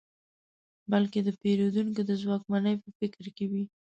بلکې د پېرودونکو د ځواکمنۍ په فکر کې وي.